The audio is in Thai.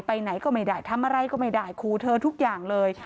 ไปไหนก็ไม่ได้ทำอะไรก็ไม่ได้ครูเธอทุกอย่างเลย